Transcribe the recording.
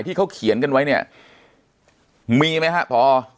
ที่เขาเขียนกันไว้เนี่ยมีไหมฮะพอ